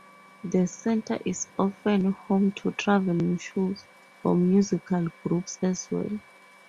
The Center is often home to traveling shows, or musical groups as well.